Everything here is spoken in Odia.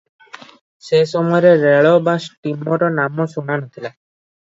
ସେ ସମୟରେ ରେଲ ବା ଷ୍ଟିମରର ନାମ ଶୁଣା ନ ଥିଲା ।